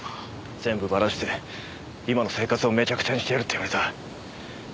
全部バラして今の生活をめちゃくちゃにしてやるって言われた。